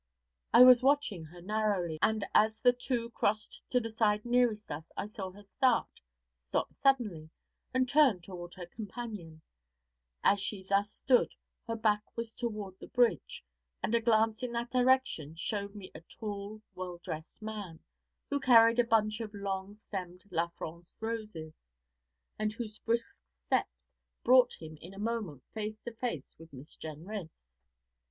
I was watching her narrowly, and as the two crossed to the side nearest us I saw her start, stop suddenly, and turn toward her companion; as she thus stood, her back was toward the bridge, and a glance in that direction showed me a tall, well dressed man, who carried a bunch of long stemmed La France roses, and whose brisk steps brought him in a moment face to face with Miss Jenrys.